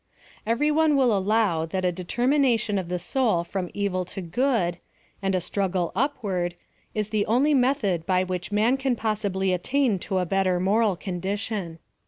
Every one will allow that a determination of the soul from evil to good, and a struggle upward, is the only method by which man can possibly attain to a better moral condition.